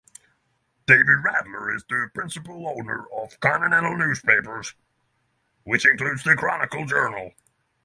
David Radler is the principal owner of Continental Newspapers, which includes The Chronicle-Journal.